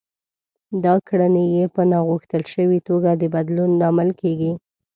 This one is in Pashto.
دا کړنې يې په ناغوښتل شوې توګه د بدلون لامل کېږي.